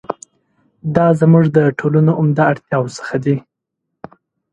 دا زموږ د ټولنو عمده اړتیاوو څخه دي.